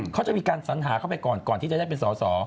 เขาจะมีการสัญหาเข้าไปก่อนก่อนที่จะได้เป็นสอสอ